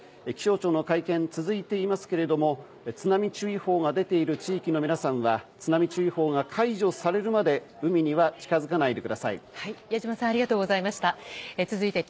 気象庁の会見は続いていますけれども津波注意報が出ている地域の皆さんは津波注意報が解除されるまで海には近づかないでください。